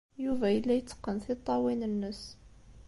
Yuba yella yetteqqen tiṭṭawin-nnes.